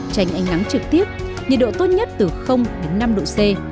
tránh ánh ngắn trực tiếp nhiệt độ tốt nhất từ năm độ c